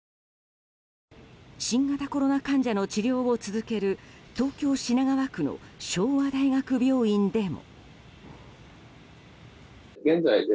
新型コロナ患者の治療を続ける東京・品川区の昭和大学病院でも。